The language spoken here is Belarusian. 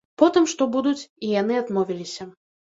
Потым, што будуць, і яны адмовіліся.